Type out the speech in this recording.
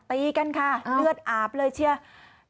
ตีกันเลือดอาบเลยใช่ไหม